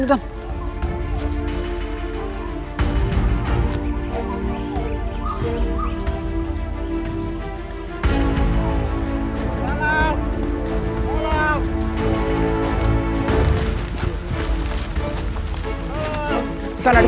tidaknya anda sendiri